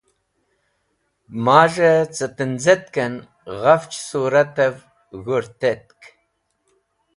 Maz̃hẽ cẽ tẽnzẽtkẽn ghafch sũratẽv g̃hũrtetk.